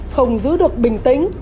không giữ được bình tĩnh